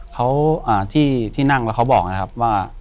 เขาที่นั่งแล้วเขาบอกนะครับว่า